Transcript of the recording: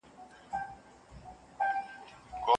مور او پلار په کورنۍ کي درانه مسؤليتونه لري.